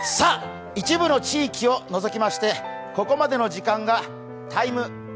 一部の地域を除きましてここまでの時間が「ＴＩＭＥ’」。